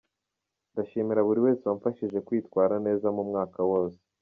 Ndashimira buri wese wamfashije kwitwara neza mu mwaka wose.